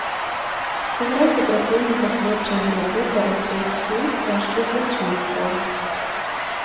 Сыграў супрацоўніка следчай групы па раскрыцці цяжкіх злачынстваў.